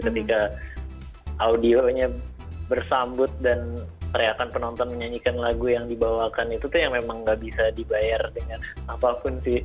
ketika audionya bersambut dan teriakan penonton menyanyikan lagu yang dibawakan itu tuh yang memang gak bisa dibayar dengan apapun sih